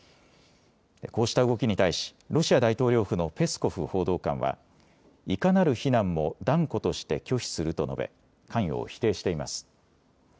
こうした動きに対しロシア大統領府のペスコフ報道官はいかなる非難も断固として拒否すると述べ関与を否定しています。